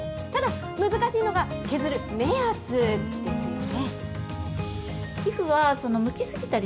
ただ、難しいのが削る目安ですよね。